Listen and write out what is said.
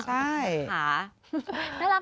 ใช่หาน่ารัก